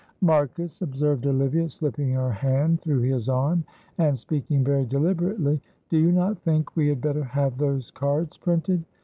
"Marcus," observed Olivia, slipping her hand through his arm, and speaking very deliberately, "do you not think we had better have those cards printed?